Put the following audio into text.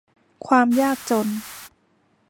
ความยากจน